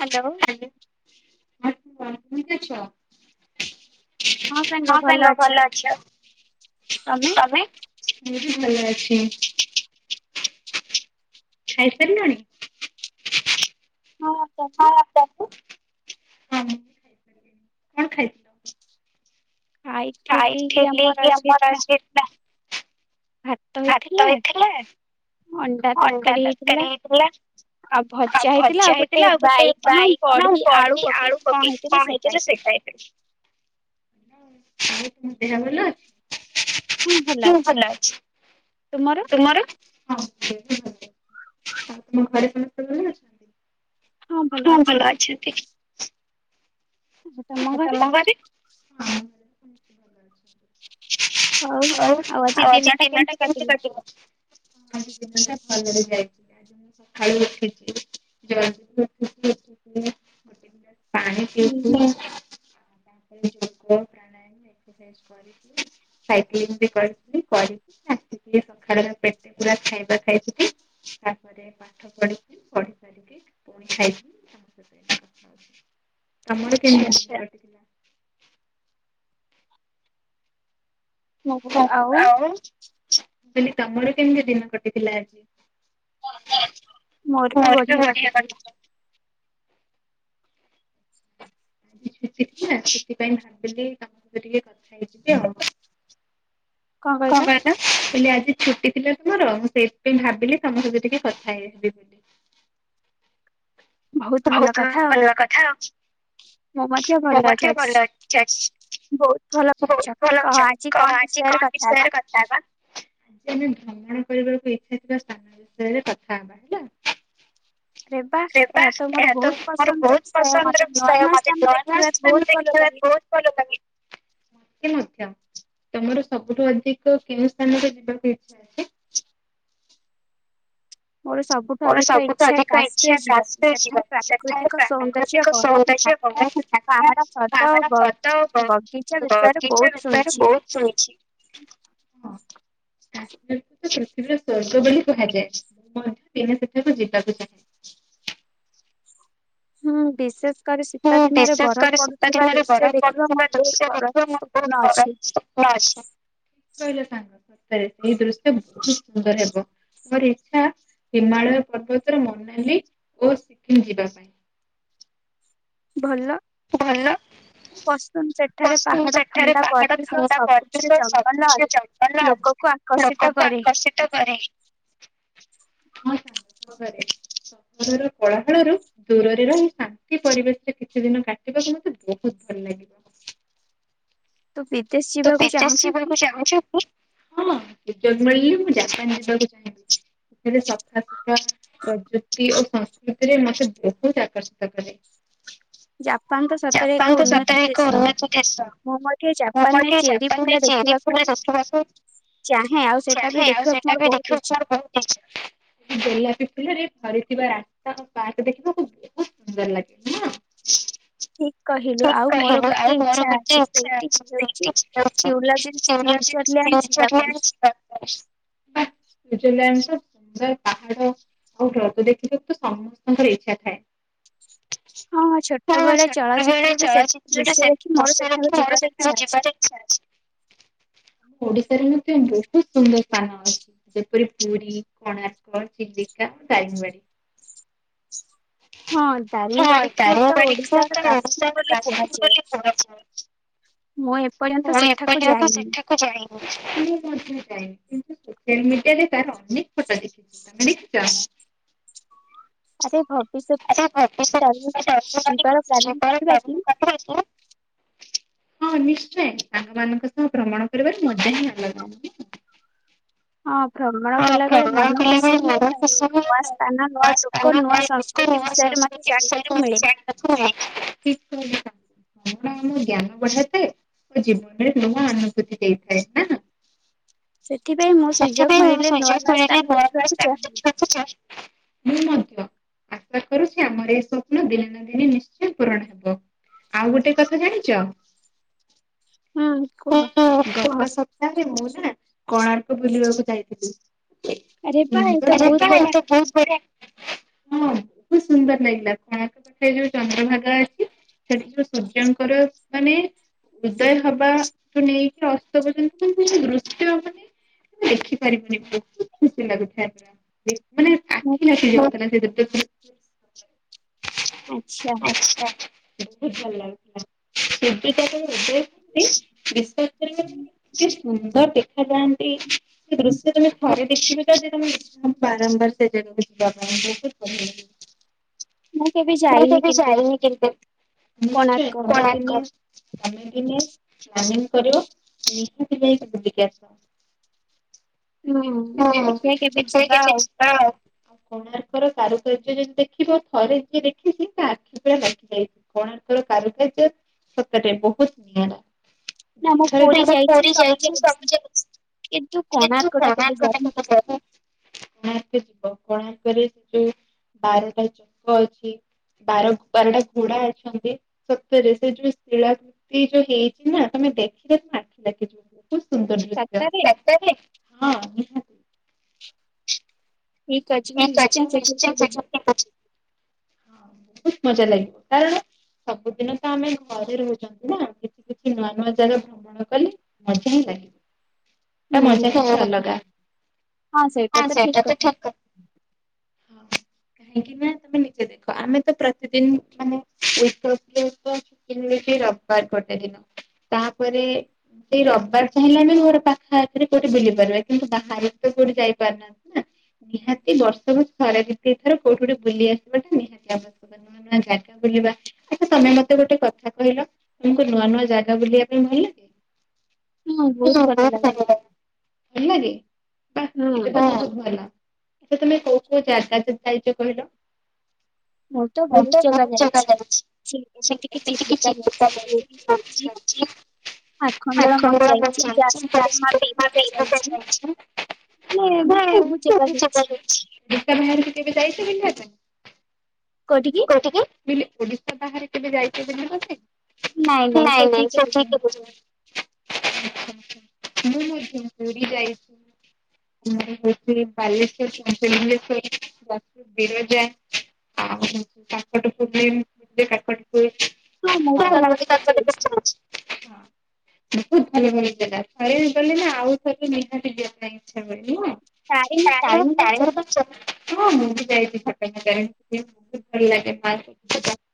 Hello. [unintelligible] ହଁ, ସାଙ୍ଗ ଭଲ ଅଛି। ଆଉ ତମେ? ମୁଁ ବି ଭଲ ଅଛି। ଖାଇ ସାରିଲଣି? ହଁ [unintelligible] ହଁ। କଣ ଖାଇଛ? ଖାଇଠିଲି, ଆମର ଆଜି ହେଇଥିଲା ଭାତ ହେଇଥିଲା, ଅଣ୍ଡା ତରକାରୀ ହେଇଥିଲା ଆଉ ଭଜା ହେଇଥିଲା, ଆଉ ଗୋଟେ ବାଇଗଣ, ବଢି, ଆଳୁ ପକେଇକି କଣ ହେଇ ଥିଲା, ସେଇ ଖାଇଲି। ଆଉ ତମ ଦେହ ଭଲ ଅଛି? ମୁଁ ଭଲ ଅଛି। ତୁମର? ଆଉ ତମ ଘରେ ସମସ୍ତେ ଭଲ ହଁ ଭଲ ଅଛନ୍ତି। ଆଉ ତମ ଘରେ? ଆଉ ଆଉ ଆଜି ଦିନଟା କେମତି କଟିବ? ଆଜି ଦିନଟା ଭଲରେ ଯାଇଚି। ସକାଳୁ ଉଠିଚି ଜଲ୍ ବି ଦି ଉଠିଚି ଉଠିକି ଗୋଟେ ଗିଲାସ୍ ପାଣି ତାପରେ ଯୋଗ ପ୍ରାଣାୟମ ଏକ୍ସରସାଇଜ୍ କରିକି ସାଇକ୍ଲିଂ ବି କରିଥିଲି କରିକି ଆସିକି ଏ ସଖାଳର ପେଟେ ପୁରା ଖାଇବା ଖାଇଥିଲି। ତାପରେ ପାଠ ପଢିି଼କି ପଢ଼ି ସାରିକି ପୁଣି ଖାଇଛି। ତମର କେମିତି [inaudible] ହ ହଉ ଆଉ ମୁଁ କହିଲି ତମର କେମିତି ଦିନ କଟିଥିଲା ଆଜି? ମୋର ବି ବଢ଼ିଆ କଟି ଆଜି ଛୁଟି ଥିଲା ସେଥିପାଇଁ ଭାବିଲି ତମ ସହିତ ଟିକେ କଥା ହେଇଯିବି ଆଉ। କଁ ବା କହିଲି ଆଜି ଛୁଟି ଥିଲା ତମର ମୁଁ ସେଇଥିପାଇଁ ଭାବିଲି ତମ ସହିତ ଟିକେ କଥା ହେ ହେବି ବୋଲି। ଭଉତ୍ ଭଲ କଥା ମୋ ମ ମୋ ପଥା ଭଲ ଚାଚି। ହୋଉ ଭଲ କଥା କହ ଆଜି କଣ ବିଷୟରେ କ ଆଜି ଆମେ ଭ୍ରମଣ କରିବାକୁ ଇଚ୍ଛା ଥିବା ସ୍ଥାନ ବିଷୟରେ କଥା ହବା ହେଲା। ଆରେ ବା ଏହା ତ ମୋର ବହୁତ ପସନ୍ଦର ବିଷୟ ମତେ ନୂଆ ନୂଆ ସ୍ଥାନ ଦେଖିବାକୁ ଫଲ ଲାଗେ। ତି ମଧ୍ୟ ତମର ସବୁଠୁ ଅଧିକ କେଉଁ ସ୍ଥାନରେ ଯିବାକୁ ଇଚ୍ଛା ଅଛି? ମୋର ସବୁଠୁ ଅଧିକ ଇଚ୍ଛା କାଶ୍ମୀର ଯିବା ସେଠାଉ ପ୍ରାକୃତିକ ସୌନ୍ଦର୍ଯ୍ୟ ବହୁତୁ ସାର୍ଥ ପାହାଡ଼ ପଦ ଓ ବ ବଗିଚା ବିଷୟରେ ବୋହୁତ ଶୁଣିଛି। ହଁ। କାଶ୍ମୀରକୁ ତ ପୃଥିବୀର ସ୍ଵର୍ଗ ବୋଲି କୁହାଯାଏ। ମୁଁ ମଧ୍ୟ ଦିନେ ସେଠାକୁ ଯିବାକୁ ଚାହେଁ। ହୁଁ ବିଶେଷ କରି ଶୀତା ଦିନରେ ବରଫ ପଡ଼ୁଥିବା ଦୃଶ୍ୟ ଦେଖିବା ମୋର ବହୁତ ବଡ଼ ସ୍ୱପ୍ନ ଅଛି। ହୋ ଆଚ୍ଛା ଠି୍କ କହିଲ ସାଙ୍ଗ ସତରେ ସେଇ ଦୃଶ୍ୟ ବହୁତ ସୁନ୍ଦର ହେବ। ମୋର ଇଚ୍ଛା ହିମାଳୟ ପର୍ବତର ମନାଲି ଓ ସିକିମ ଯିବା ପାଇଁ। ଭଲ। ଭଲ। ପସନ୍ଦ ସେ ଠାରେ ପାହାଡ଼ ଥଣ୍ଡା ପରିବେଶ ସବୁଜ ଜଙ୍ଗଲ ଅ ଲୋକକୁ ଆକର୍ଷିତ କରେ। ହଁ ସାଙ୍ଗ ସତରେ ସହରର କୋଳାହଳରୁ ଦୂରରେ ରହି ଶାନ୍ତି ପରିବେଶରେ କିଛି ଦିନ କାଟିବାକୁ ମତେ ବହୁତ ଭଲ ଲାଗିବ। ତୁ ବିଦେଶୀ ତୁ ବିଦେଶ ଯିବାକୁ ଚାହୁଁଚୁ କି? ହଁ ସୁଯୋଗ୍ ମିଳିଲେ ମୁଁ ଜାପାନ୍ ଯିବାକୁ ଚାହିଁବି। ଯଦି ସଫା ସୁତୁରା ପ୍ରଯୁ କ୍ଷତି ଓ ସଂସ୍କୃତିରେ ମତେ ବହୁତ ଆକର୍ଷିତ କରେ। ଜାପାନ ତ ସତ ଏକ ଉନ୍ନତି ଦେଶ। ହଁ ମୋ ଟିକେ ଜା ହଁ ମୋ ଟିକେ ଜାପାନ୍ ରେ ଚେରିପୁଲା ଜୋସ୍କିବାସ ଚାହେଁ ଆଉ ସେଟା ବି ଦେଖିବାକୁ ମୋର ବହୁତ ଇଚ୍ଛା। ହେଠି ଗୋଲାପୀ ଫୁଲରେ ଭରିଥିବା ରାସ୍ତା ଓ ପାର୍କ ଦେଖିବାକୁ ବହୁତ ସୁନ୍ଦର ଲାଗେ। ଠିକ୍ କହିଲୁ ଆଉ ମୋର ଗୋଟେ ଇଚ୍ଛା ଅଛି ସେଇଠି ଯିବାଉ। ଟିକ୍ସ ଦଉଚି ସୁରଜ୍ ଆଣ୍ଡ୍ ଫ୍ୟୁଚର୍ ଲ୍ୟାଣ୍ଡ୍ ଯିବାକୁ। ସୁଇଜରଲ୍ୟାଣ୍ଡ ତ ସୁନ୍ଦର ପାହାଡ଼ ଆଉ ରଗ ଦେଖିବାକୁ ତ ସମସ୍ତଙ୍କର ଇଚ୍ଛା ଥାଏ। ହଁ ଛୋଟ ବେଳେ ଚଳଚିତ୍ରଟା ସେ ଦୃଶ୍ୟ ଦେଖି ମୋର ସେଠାଉ ଯିବାରେ ଆମ ଓଡ଼ିଶାରେ ମଧ୍ୟ ବହୁତ ସୁନ୍ଦର ସ୍ଥାନ ଅଛି। ଯେ ପରେରି ପୁରି କୋଣାର୍କ ଓ ଦାରିଙ୍ଗିବାଡ଼ି। ହଁ ତାର ବାଡ଼ିକୁ ତ [unintelligible] ବୋଲି କୁହାଯାଇଛି। ମୁଁ ଏପାଳୀ ଆଉ ତ ସେଠାକୁ ଯାଇନି। ଏମିତିରେ ତାର ଅନେକ ଫଟ ଦେଖିଚି। ତମେ ଦେଖିଚ? ଆରେ ଭବିଷ୍ୟତ ଦାରିଙ୍ଗବାଡ଼ି ଯିବାର ପ୍ଲାନିଂ କରିବା କି? ହଁ ନିଶ୍ଚ ଶ୍ଚୟ ସାଙ୍ଗ ମାନଙ୍କ ସହ ଭ୍ରମଣ କରିବାରେ ମଜା ହିଁ ଆଲଗା। ହଁ ଭ୍ରମଣ କଲାବେଳେ ମନ ଖୁସି ହୁଏ ତ। ନୂଆ ସ୍ଥାନ ନୂଆ ଲୋକ ନୂଆ ସଂସ୍କୃତି ବିଷୟରେ ମଧ୍ୟ ଜାଣିବାକୁ ମିଳେ। ଜାଣିପାରୁଛ ନା ନାଇଁ? [unintelligible] ଆମ ଜ୍ଞାନ ବଢାଇଥାଏ ଆମ ଜୀବନରେ ନୂଆ ଅନୁଭୂତି ଦେଇଥାଏ ନା। ସେଥିପାଇଁ ମୁଁ ସୁଯୋଗ ମୁଁ [unintelligible] ଆଶା କରୁଛି ଆମର ଏଇ ସ୍ୱପ୍ନ ଦିନେ ନା ଦିନେ ନିଶ୍ଚୟ ପୂରଣ ହେବ। ଆଉ ଗୋଟେ କଥା ଜାଣିଛ? ହୁଁ କୁହ। ଗତ ସପ୍ତାହରେ ମୁଁ ନା କୋଣାର୍କ ବୁଲିବାକୁ ଯାଇଥିଲି। ହଁ ବହୁତ ବଢିଆ ହଁ ବହୁତ ସୁନ୍ଦର ଲାଗିଲା କୋଣାର୍କ ପାଖରେ ଯୋଉ ଚନ୍ଦ୍ରଭାଗା ଅଛି। ସେଠି ଯୋଉ ସୂର୍ଯ୍ୟଙ୍କର ମାନେ ଉଦୟ ହେବାଠୁ ନେଇକି ଅସ୍ତ ପର୍ଯ୍ୟନ୍ତ [unintelligible] ପାରିବନି ବହୁତ ଖୁସି ଲାଗୁଥାଏ ପୁରା ମାନେ ଆଖି ଲାଖି ଯାଉଥିଲା ସେଥି ଆଛା ବହୁତ ଭଲ ଲାଗୁଥିଲା। ସେବେକାର ଆଉ ଏବେ [unintelligible] ବିଶ୍ୱାସ କରିବେନି କି ସୁନ୍ଦର ଦେଖା ଯାଆନ୍ତି ସେ ଦୃଶ୍ୟ ତମେ ଥରେ ଦେଖିବ ଯଦି ତମେ ତମେ ବାରମ୍ବାର ସେ ଜାଗାକୁ ଯିବାପାଇଁ ବହୁତ ବାଢିଆ ଲାଗେ। ମୁଁ କେବେ ଯାଇନି କିନ୍ତୁ କୋଣାର୍କ। ତମେ ଦିନେ ପ୍ଲାନିଙ୍ଗ କରିବ ନିହାତି ଯାଇକି ବୁଲିକି ଆଶ। ହୁଁ ଦେଖିଆ କେବେ ଯିବା ଆଉ। ଆଉ କୋଣାର୍କର କାରୁକାର୍ଯ୍ୟ ଯେମିତି ଦେଖିବ ଥରେ ଯିଏ ଦେଖିଛି ତା ଆଖି ପୁରା ଲାଖିଯାଇଛି। କୋଣାର୍କର କାରୁକାର୍ଯ୍ୟ ସତରେ ବହୁତ ନିଆରା। ଦି ଥର ଯାଙ୍କ ପୁରୀ ଯାଇଛି ସବୁ ଯାଇଛି। କିନ୍ତୁ କୋଣାର୍କ ସବୁ କୋଣାର୍କ ଯିବ କୋଣାର୍କରେ ସେ ଯୋଉ ବାରଟା ଚକ ଅଛି ବାର ବାରଟା ଘୋଡା ଅଛନ୍ତି ସତରେ ସେ ଯୋଉ ଶିଳା ସେଇ ଯୋଉ ହେଇଛିି ନା ତମେ ଦେଖିଲେ ତ ଆଖି ଲାଖି ଯିବ। ବହୁତ ସୁନ୍ଦର ଦୃଶ୍ୟ ହଁ। ଠ ଅଛି ମୁଁ ନିଶ୍ଚୟ [unintelligible] ସବୁଦିନ ତ ଆମେ ଘରେ ରହୁଛନ୍ତି ନା କିଛି କିଛି ନୂଆ ନୂଆ ଜାଗା ଣ କଲେ ମଜା ହିଁ ଲାଗେ। ତା ମଜା ତ ଅଲଗା ହ ସେଟା ତ ଠିକ୍ [inaudible] କାହିଁକି ନା ତମେ ନିଜେ ଦେଖ ଆମେ ତ ପ୍ରତିଦିନ ମାନେ ଉ ଯେମିତି ରବିବାର ଗୋଟେ ଦିନ ତାପରେ ସେଇ ରବିବାର ଚାହିଁଲେ ଆମେ ଘର ପାଖଆଖରେ କୋଉଠି ବୁଲି ପାରିବା। କିନ୍ତୁ ବାହାରେ ତ କୋଉଠି ଯାଇପାରୁନାହାନ୍ତି। ନା ନିହାତି ବର୍ଷକୁ ଥରେ ଦି ଦି ଥର କୋଉଠି ଗୋଟେ ବୁଲି ଆସିବା ଟା ନିହାତି ଆବଶ୍ୟକ। ନୂଆ ଜାଗା ବୁଲିବା। ଆଚ୍ଛା ତମେ ମତେ ଗୋଟେ କଥା କହିଲ? ତମକୁ ନୂଆ ନୂଆ ଜାଗା ବୁଲିବା ପାଇଁ ଭଲ ଲାଗେ? ହଁ ବହୁତ ବଢିଆ ଲାଗେ। ଭଲଲାଗେ ବାଃ ଏଇଟା ତ ଆହୁରି ଭଲ। ଏ ତମେ କୋଉ କୋଉ ଜାଗା ଯାଇଚ କହିଲ? ମୁ ତ ବହୁତ ଜାଗା ଯାଇଛି। [unintelligible] [unintelligible] [unintelligible] ଢେଙ୍କାନାଳ କେବେ ଯାଇଛ ବୁଲିବାକୁ? କୋଉଠି କି? ଠି କି ଓଡିଶା ବାହାରେ କେବେ ଯାଇଚ ବୁଲିବା ପାଇଁ? ନାଇଁ ନାଇଁ ସଚି କିଝ ଆଛା ଆଛା ମୁଁ ମୁଁ [inaudible] ଯାଇଛି। ଆଠ ବାଲେଶ୍ଵର ପଞ୍ଚେଶ୍ୱଵର ବିରଜା ଆଉ କାକଟପୁର କାକଟପୁର ହ ମୁ କଟଟ ଚାଛି ବହୁତ ଭଲ ଭଲ ଜାଗା ଥରେ ଗଲେ ନା ଆଉ ଥରେ ନିହାତି ଯିବା ପାଇଁ ଇଚ୍ଛା [inaudible] ତାରିଣୀ ତାରିଣୀ [unintelligible]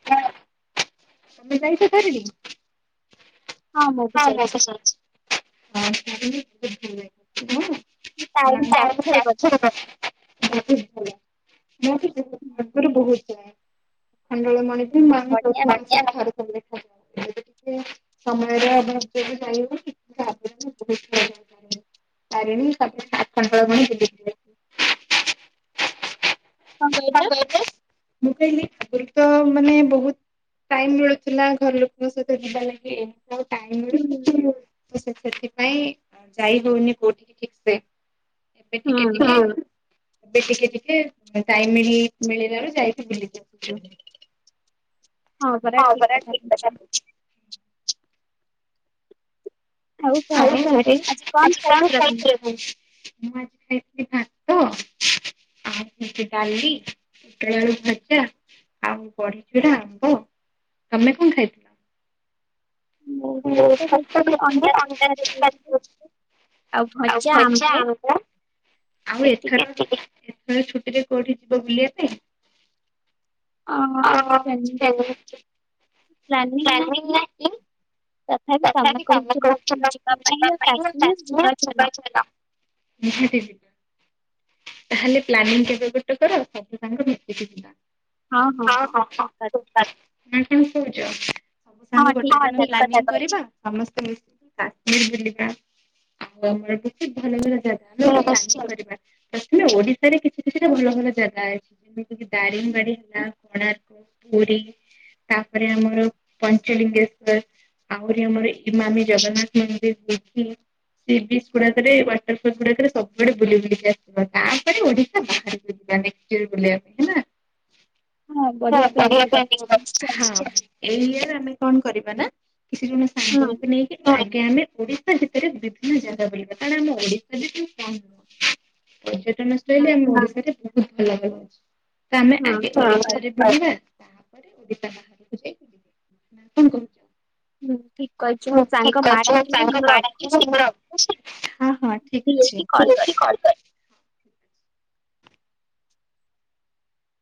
ହଁ ଯାଇତ ପାରିବି। ହଁ ହଁ [unintelligible] ହୁଁ [unintelligible] ବହୁତ ଭଲ [inaudible] [unintelligible] ମାୋକ ବାଖ ଯି ଟିକେ ସମୟର ଅଭାବ ଯୋଗୁ ଯାଇନି। [unintelligible] ତାରିଣୀ ତାପରେ ଆଖଡ଼ଳମଣି ବୁଲି ଯିବେ। କଣ କହିଲେ ଯେ ମୁଁ କହିଲି ତ ମାନେ ବହୁତ ଟାଇମ ମିଳୁଥିଲା ଘର ଲୋକଙ୍କ ସହିତ ଯିବା ଲାଗି। ଟାଇ ସେଥିପାଇଁ ଯାଇ ହଉନି କୋଉଠି ଠିକ ସେ ଏବେ ଟିକେ ଟିକେ ଏବେ ଟିକେ ଟିକେ ଟାଇମିଂ ମିଳିଲାରୁ ଯାଇକି ବୁଲିକି ଆସୁଛୁ। ହଁ ବରା ଠିକ କଥା। ଆଉ ଘରେ ଆଜି କଣ ଖାଇଥିଲେ? ମୁଁ ଆଜି ଖାଇଥିଲି ଭାତ ଆଉ ଡାଲି ପୋଟଳ ଆଳୁ ଭଜା। ଆଉ ବଢିଚୁଡା ଆମ୍ବ ତମେ କଣ ଖାଇଥିଲ? [unintelligible] ଆଉ ଖଜା ଆମ୍ବ ଆଉ ଏଥର ତମେ ଛୁଟିରେ କୋଉଠି ଯିବ ବୁଲିବା ପାଇଁ? ଅ ହଁ ପ୍ଲାନିଂଙ୍ଗି ନାହିଁ ତଥାପି ତମେ କହୁଛ ଯିବା ପାଇଁ କାଶ୍ମୀର ଯିବା। [unintelligible] ତାହେଲେ ପ୍ଲାନିଂ କେବେ ଗୋଟେ କର ସବୁ ସାଙ୍ଗ ମିଶିକି ଯିବା। ହଁ ହଁ ହଁ [inaudible] ନା କଣ କହୁଛ? ସବୁ ସାଙ୍ଗ ଠିକି କଥା କହିଛ ଗୋଟେ ସମସ୍ତେ ମିଶ କାଶ୍ମୀର ବୁଲିବା। ଆଉ ଆମର ବତ ଭଲ ଭଲ ଜାଗ ଆମ କରିବା। ପ୍ରଥମେ ଓଡିଶାରେ କିଛି କିଛିଟା ଭଲ ଭଲ ଜାଗା ଅଛି ଯେମିତି କିି ଦାରିଙ୍ଗବାଡି ହେଲା କୋଣାର୍କ ପୁରୀ ତାପରେ ଆମର ପଞ୍ଚଲିଙ୍ଗେଶ୍ଵର। ଆହୁରି ଆମର ଏଇମାମି ଜଗନ୍ନାଥ ମନ୍ଦିର ଯ ସ [inaudible] ୱାଟର ଫୁଲୁ ଗୁଡାକରେ ସବୁଡେ ବୁଲି ବୁଲିକି ଆସିଥିବ ତାପରେ ଓଡିଶା ବାହାରକୁ ଯିବା। ବୁଲିବା ପାଇଁ ହଁ ତମ ତ ଏଇ ଇୟର ଆମେ କଣ କରିବା ନା କିଛି ଜଣେ ସାଙ୍ଗଙ୍କୁ ନେଇକି ଆଜ୍ଞା ଆମେ ଓଡିଶା ଭିତରେ ବିଭିନ୍ନ ଜାଗା ବୁଲିବା କାରଣ ଆମେ ଓଡିଶା ବି କଣ ନୁହଁ ପର୍ଯ୍ୟଟନ ସ୍ଥଳୀ ଆମ ଓଡିଶାରେ ବହୁତ ଭଲ ତ ଆମେ ଆଜି ଓଶ ତାପରେ ଓଡ଼ିଶା ବାହାରକୁ ଯାଇ ବୁ ନ କଣ କହୁଛ? ହୁଁ। ହଁ ହଁ ଠିକ ଅଛି। ତୁ ବେଶି କଲ କର।